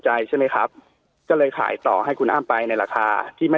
ใจใช่ไหมครับก็เลยขายต่อให้คุณอ้ำไปในราคาที่ไม่